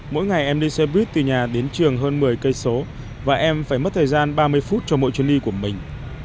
mỗi ngày em đi xe buýt từ nhà đến trường hơn một mươi km và em phải mất thời gian ba mươi phút cho mỗi chuyến đi của mình